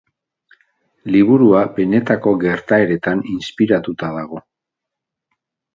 Liburua benetako gertaeretan inspiratuta dago.